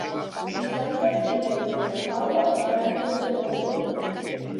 Dissabte na Neus i na Paula iran a Cervelló.